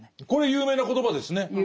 有名な言葉ですね。